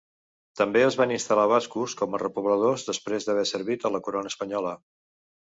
També es van instal·lar bascos com a repobladors després d'haver servit a la Corona Espanyola.